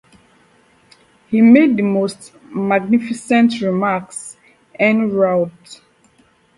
He made the most magnificent remarks en route.